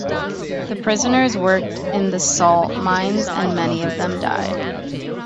The prisoners worked in the salt mines and many of them died.